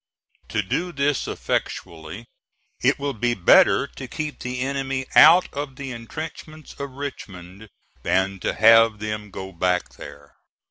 To do this effectually it will be better to keep the enemy out of the intrenchments of Richmond than to have them go back there.